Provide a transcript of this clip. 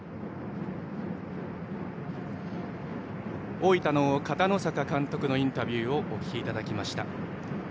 大分の片野坂監督のインタビューをお聞きいただきました。